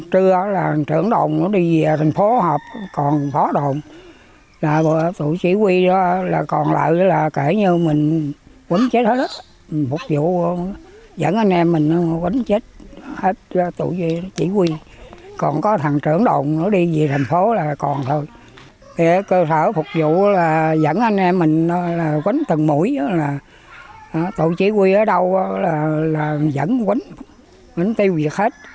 tội chỉ huy ở đâu là dẫn quân tiêu diệt hết